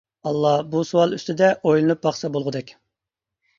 ئاللا بۇ سوئال ئۈستىدە ئويلىنىپ باقسا بولغۇدەك.